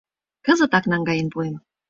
Кызытак наҥгаен пуэм.